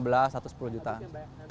bukan hanya cula board